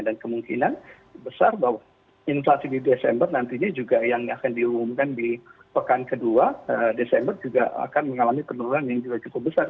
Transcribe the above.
dan kemungkinan besar bahwa inflasi di desember nantinya juga yang akan diumumkan di pekan kedua desember juga akan mengalami penurunan yang juga cukup besar